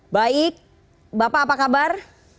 baik bapak apa kabar